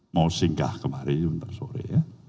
mau singgah kemarin sebentar sore ya